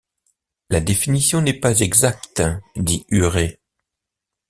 La définition n’est pas exacte, dit Huré.